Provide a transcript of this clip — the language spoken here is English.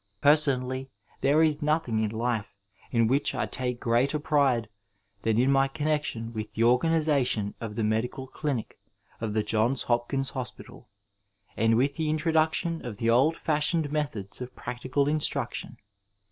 Personally, there is nothing in life in which I take greater pride than in my connexion with the organization of the medical clinic of the Johns Hopkins Hospital and with the introduction of the old fashioned methods of practical instruction.